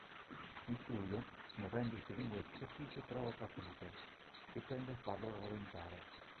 Il fluido, muovendosi lungo la superficie provoca attrito, che tende a farlo rallentare.